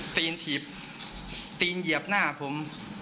ตีนถีบตีนเหยียบหน้าผม